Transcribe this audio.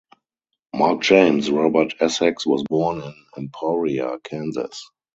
Mark James Robert Essex was born in Emporia, Kansas.